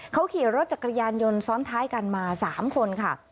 เขาขี่รถจักรยานยนต์ซ้อนท้ายกันมา๓คนค่ะ